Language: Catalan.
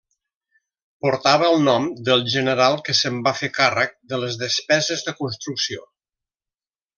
Portava el nom del general que se'n va fer càrrec de les despeses de construcció.